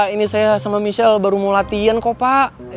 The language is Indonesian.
ini saya sama michelle baru mau latihan kok pak